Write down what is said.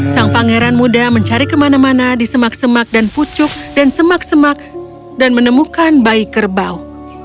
sang pangeran muda mencari kemana mana di semak semak dan pucuk dan semak semak dan menemukan bayi kerbau